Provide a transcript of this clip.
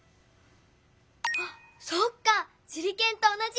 ハッそっかしゅりけんとおなじ！